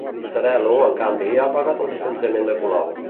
Pisarello, en canvi, ha pagat el distanciament de Colau.